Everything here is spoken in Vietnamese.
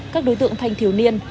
các đối tượng thanh thiếu niên